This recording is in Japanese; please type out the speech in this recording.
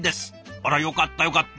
あらよかったよかった。